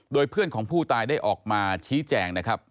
โดยเพื่อนของผู้ตายได้ออกมาชี้แจงนะครับ